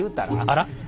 あら。